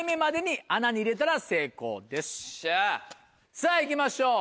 さぁ行きましょう。